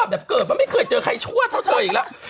แบบเกิดมาไม่เคยเจอใครชั่วเท่าเธออีกแล้ว